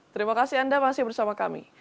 terima kasih anda masih bersama kami